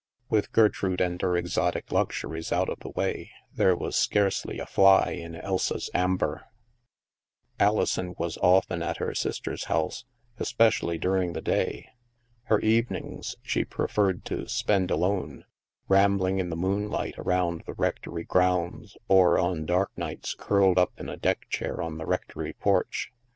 With Gertrude and her exotic luxuries out of the way, there was scarcely a fly in Elsa's amber. Alison was often at her sister's house, especially during the day. Her evenings she preferred to spend alone, rambling in the moonlight around the rectory grounds, or on dark nights curled up in a deck chair on the rectory porch.